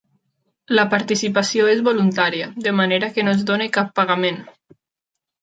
La participació és voluntària, de manera que no es dona cap pagament.